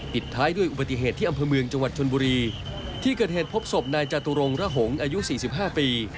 ท้ายด้วยอุบัติเหตุที่อำเภอเมืองจังหวัดชนบุรีที่เกิดเหตุพบศพนายจตุรงระหงษ์อายุ๔๕ปี